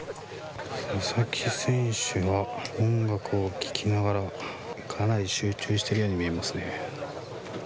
佐々木選手は音楽を聴きながら、かなり集中しているように見えますね。